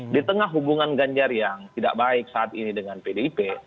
di tengah hubungan ganjar yang tidak baik saat ini dengan pdip